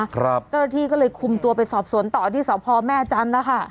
เจ้าหน้าที่ก็เลยคุมตัวไปสอบสวนต่อที่สพแม่จันทร์นะคะ